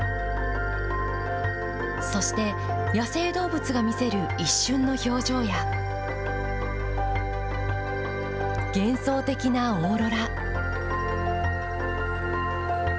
そして野生動物が見せる一瞬の表情や、幻想的なオーロラ。